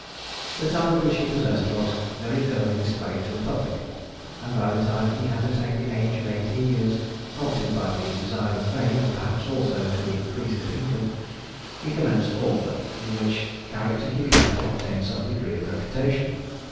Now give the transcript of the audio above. The talent which he possessed was very early displayed to the public; and by the time he had attained the age of eighteen years, prompted by the desire of fame, and perhaps also to increase his income, he commenced author, in which character he began to obtain some degree of reputation.